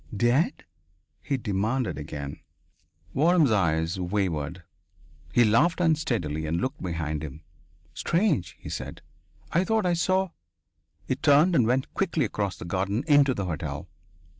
"Dead?" he demanded again. Waram's eyes wavered. He laughed unsteadily and looked behind him. "Strange," he said. "I thought I saw " He turned and went quickly across the garden into the hotel.